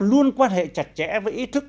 luôn quan hệ chặt chẽ với ý thức